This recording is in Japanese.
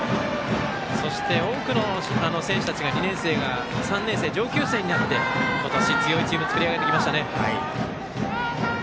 そして多くの選手たちが３年生、上級生になって今年、強いチーム作り上げてきましたね。